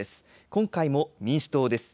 今回も民主党です。